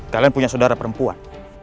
kalian punya saudara perempuan